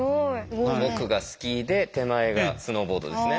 奥がスキーで手前がスノーボードですね。